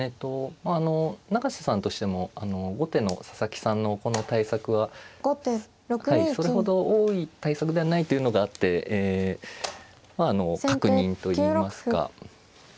まああの永瀬さんとしても後手の佐々木さんのこの対策はそれほど多い対策ではないというのがあってまああの確認といいますか。